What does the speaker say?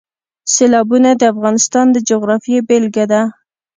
سیلابونه د افغانستان د جغرافیې بېلګه ده.